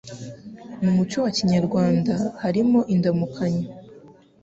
Mu muco wa Kinyarwanda habamo indamukanyo